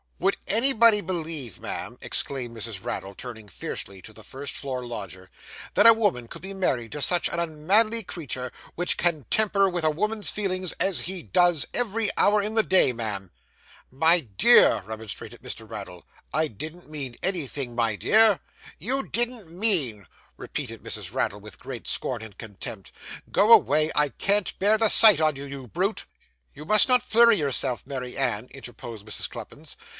'Would anybody believe, ma'am,' exclaimed Mrs. Raddle, turning fiercely to the first floor lodger, 'that a woman could be married to such a unmanly creetur, which can tamper with a woman's feelings as he does, every hour in the day, ma'am?' 'My dear,' remonstrated Mr. Raddle, 'I didn't mean anything, my dear.' 'You didn't mean!' repeated Mrs. Raddle, with great scorn and contempt. 'Go away. I can't bear the sight on you, you brute.' 'You must not flurry yourself, Mary Ann,' interposed Mrs. Cluppins.